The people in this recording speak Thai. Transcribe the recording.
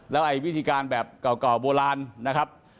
แล้วไอ้วิธีการแบบเก่าโบราณนะครับ